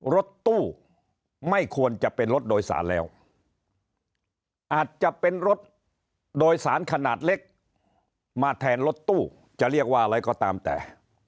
รถตู้ไม่ควรจะเป็นรถโดยสารแล้วอาจจะเป็นรถโดยสารขนาดเล็กมาแทนรถตู้จะเรียกว่าอะไรก็ตามแต่